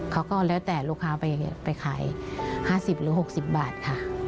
เขาก็แล้วแต่ลูกค้าไปขาย๕๐หรือ๖๐บาทค่ะ